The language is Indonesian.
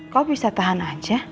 kau bisa tahan aja